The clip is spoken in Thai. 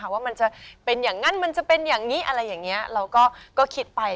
ว่ามันจะเป็นอย่างนั้นมันจะเป็นอย่างนี้อะไรอย่างนี้เราก็คิดไป